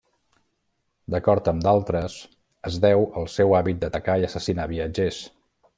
D'acord amb d'altres, es deu al seu hàbit d'atacar i assassinar viatgers.